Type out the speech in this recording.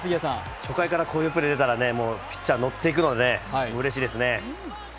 初回からこういうプレー出たらピッチャー乗っていくのでうれしいですね。